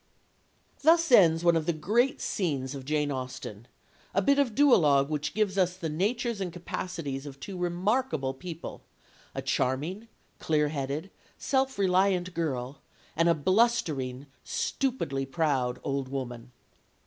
Thus ends one of the great scenes of Jane Austen, a bit of duologue which gives us the natures and capacities of two remarkable people, a charming, clear headed, self reliant girl, and a blustering, stupidly proud old woman.